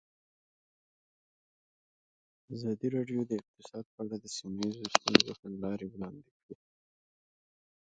ازادي راډیو د اقتصاد په اړه د سیمه ییزو ستونزو حل لارې راوړاندې کړې.